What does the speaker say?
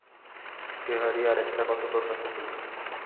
বিহারী, আর-একটা কথা তোর কাছে বলি।